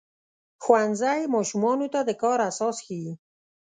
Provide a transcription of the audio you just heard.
ښوونځی ماشومانو ته د کار اساس ښيي.